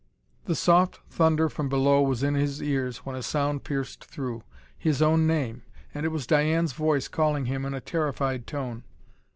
The soft thunder from below was in his ears when a sound pierced through. His own name! And it was Diane's voice calling him in a terrified tone.